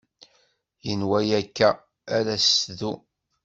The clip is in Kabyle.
Yenwa akka ara s-tdum